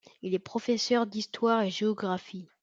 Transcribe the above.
Il est professeur d'histoire et géographie.